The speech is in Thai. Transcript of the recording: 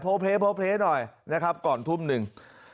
เพลโพเพลหน่อยนะครับก่อนทุ่มหนึ่ง